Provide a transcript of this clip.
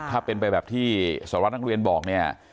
ถ้าเป็นไปแบบที่สหรัฐนักเรียนบอกเนี่ย